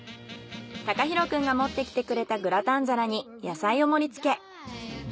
隆広くんが持ってきてくれたグラタン皿に野菜を盛りつけ。